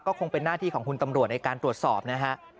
คงเป็นหน้าที่ของคุณตำรวจในการตรวจสอบนะฮะ